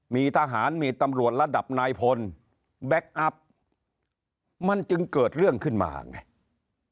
มีทหารมีตำรวจระดับนายพลแบ็คอัพมันจึงเกิดเรื่องขึ้นมาไง